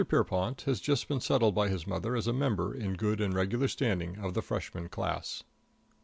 Pierrepont has || just been settled by his || mother as a member, in || good and regular standing, || of the Freshman class.